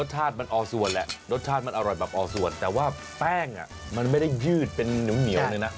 แต่แป้งมันไม่ได้ยืดเป็นเหนียวเลยนะ